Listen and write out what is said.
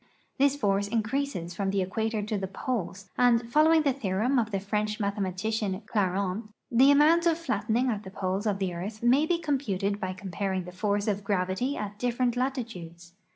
This force increases from the equator to the poles, and, following the theorem of the French mathema tician, Clairaut, the amount of flattening at the poles of the earth may be computed by comparing the force of gravity at different latitudes.